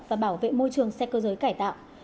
và bảo vệ môi trường xe cơ giới cải tạo